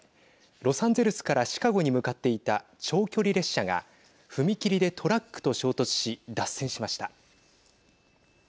ロサンゼルスからシカゴに向かっていた長距離列車が踏切でトラックと衝突し脱線しました。